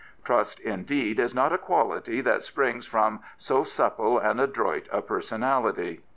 Trust, indeed, is not a quality that springs from so supple and adroit a personality.